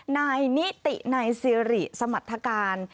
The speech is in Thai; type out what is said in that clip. นายนิตินายสิริสมรรถการ